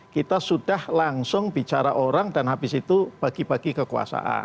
kita sudah langsung bicara orang dan habis itu bagi bagi kekuasaan